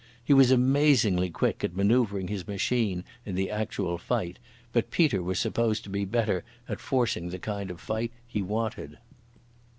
He was amazingly quick at manœuvring his machine in the actual fight, but Peter was supposed to be better at forcing the kind of fight he wanted.